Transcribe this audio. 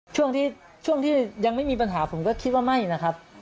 ช่วงที่ยังไม่มีปัญหาผมก็คิดว่าไม่นะครับ